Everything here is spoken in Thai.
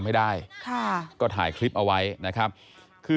ไอ้แม่ได้เอาแม่ได้เอาแม่